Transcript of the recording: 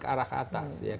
ke arah ke atas